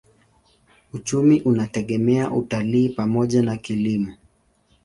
Uchumi unategemea utalii pamoja na kilimo.